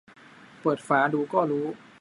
เปิดฝาดูก็รู้